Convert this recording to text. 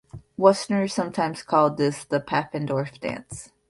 Westerners sometimes called this the "Paffendorf Dance".